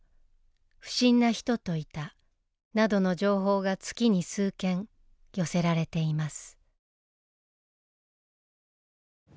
「不審な人といた」などの情報が月に数件寄せられています。